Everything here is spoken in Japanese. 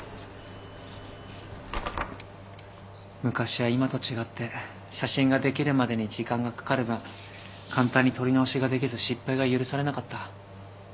昔は今と違って写真ができるまでに時間がかかる分簡単に撮り直しができず失敗が許されなかった。